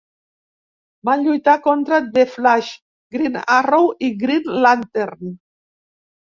Van lluitar contra The Flash, Green Arrow i Green Lantern.